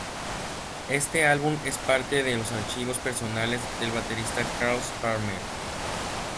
Este álbum es parte de los archivos personales del baterista Carl Palmer.